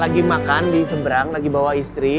lagi makan di seberang lagi bawa istri